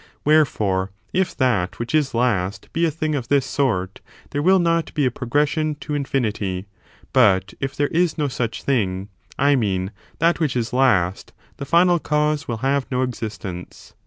Wherefore, if that which is last be a ''*""• thing of this sort, there will not be a progression to infinity; but if there is no such things— I mean ^at which is last — the final cause will have no existence.